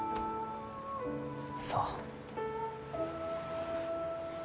そう。